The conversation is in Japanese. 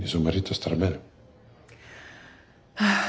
ああ。